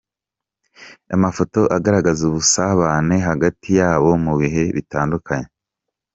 Amafoto agaragaza ubusabane hagati yabo mu bihe bitandukanye